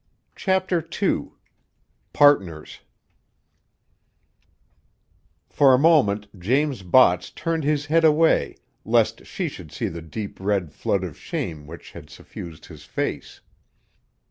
CHAPTER II Partners For a moment James Botts turned his head away lest she see the deep red flood of shame which had suffused his face.